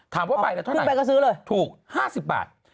ถามว่าไปแล้วเท่าไหนถูก๕๐บาท